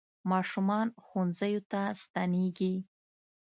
ماشومان ښوونځیو ته ستنېږي.